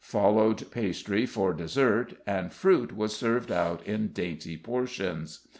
Followed pastry for dessert, and fruit was served out in dainty portions.